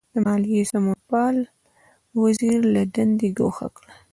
د مالیې سمونپال وزیر له دندې ګوښه کړي.